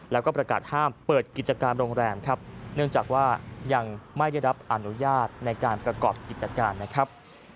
แล้วก็ประกาศห้ามเปิดกิจการโรงแรมครับเนื่องจากว่ายังไม่ได้รับอนุญาตในการประกอบกิจการนะครับ